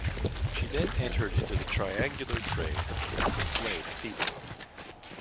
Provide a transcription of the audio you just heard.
She then entered into the triangular trade in enslaved people.